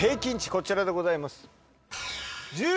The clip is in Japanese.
こちらでございます。